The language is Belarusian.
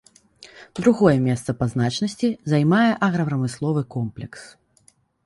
Другое месца па значнасці займае аграпрамысловы комплекс.